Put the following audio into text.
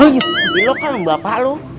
iya itu kan bapak lo